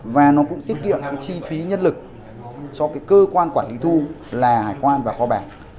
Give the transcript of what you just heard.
và nó cũng tiết kiệm chi phí nhân lực cho cơ quan quản lý thu là hải quan và kho bản